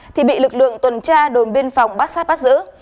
thì bị lực lượng tuần tra đồn biên phòng bát sát bắt giữ